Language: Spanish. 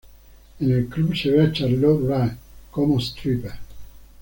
En el club se ve a Charlotte Rae como Stripper.